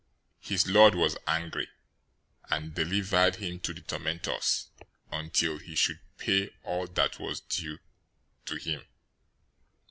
018:034 His lord was angry, and delivered him to the tormentors, until he should pay all that was due to him.